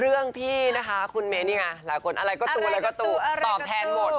เรื่องพี่นะคะคุณเมนี่ไงหลายคนอะไรก็ตัวแล้วก็ตัวตอบแทนหมด